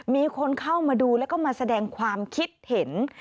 มีคนเข้ามาดูแล้วก็มาแสดงความคิดเห็น